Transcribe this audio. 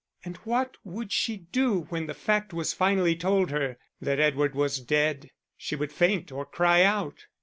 And what would she do when the fact was finally told her that Edward was dead? She would faint or cry out.